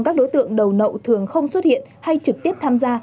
các đối tượng đầu nậu thường không xuất hiện hay trực tiếp tham gia